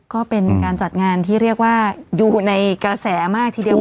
ก็เป็นการจัดงานที่เรียกว่าอยู่ในกระแสมากทีเดียว